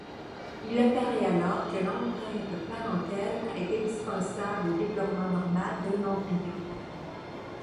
Il apparaît alors que l'empreinte parentale est indispensable au développement normal d'un embryon.